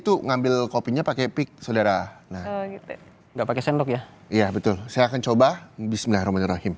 itu ngambil kopinya pakai pik saudara nah enggak pakai sendok ya iya betul saya akan coba bismillahirrahmanirrahim